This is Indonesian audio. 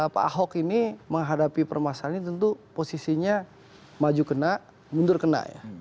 pak ahok ini menghadapi permasalahan ini tentu posisinya maju kena mundur kena ya